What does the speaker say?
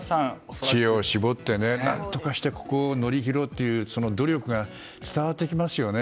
知恵を絞って何とかここを乗り切ろうという努力が伝わってきますよね。